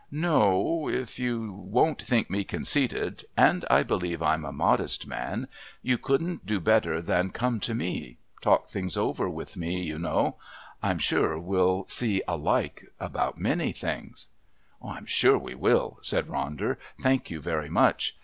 No, if you won't think me conceited and I believe I'm a modest man you couldn't do better than come to me talk things over with me, you know. I'm sure we'll see alike about many things." "I'm sure we will," said Ronder. "Thank you very much.